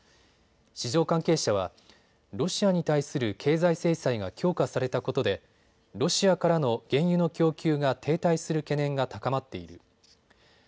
市場関係者は、ロシアに対する経済制裁が強化されたことでロシアからの原油の供給が停滞する懸念が高まっている。